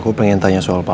aku pengen tanya soal papa